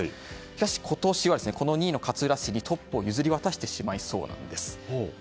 しかし、今年はこの２位の勝浦市にトップを譲り渡してしまいそうなんです。